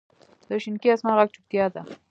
د شینکي اسمان ږغ چوپتیا ده.